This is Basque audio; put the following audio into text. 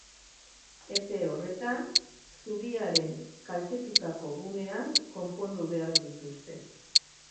Epe horretan, zubiaren kaltetutako gunean konpondu behar dituzte.